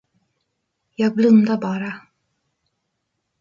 Jag blundar bara.